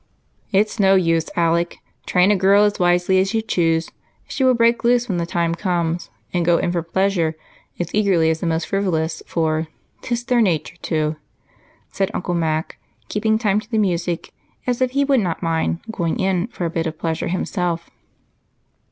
"It's no use, Alec train a girl as wisely as you choose, she will break loose when the time comes and go in for pleasure as eagerly as the most frivolous, for ''tis their nature to,'" said Uncle Mac, keeping time to the music as if he would not mind "going in" for a bit of pleasure himself.